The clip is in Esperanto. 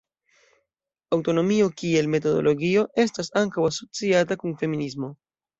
Aŭtonomio kiel metodologio estas ankaŭ asociata kun feminismo.